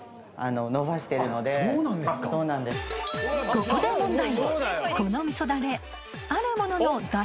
ここで問題！